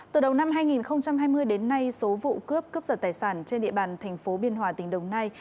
từ đầu năm hai nghìn hai mươi đến nay số vụ cướp cướp giật tài sản trên địa bàn thành phố biên hòa tỉnh đồng nai